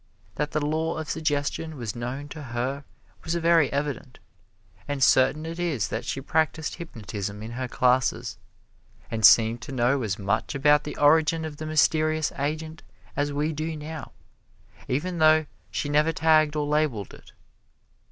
That the law of suggestion was known to her was very evident, and certain it is that she practised hypnotism in her classes, and seemed to know as much about the origin of the mysterious agent as we do now, even though she never tagged or labeled it.